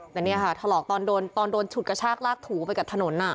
แต่เนี่ยค่ะถลอกตอนโดนตอนโดนฉุดกระชากลากถูไปกับถนน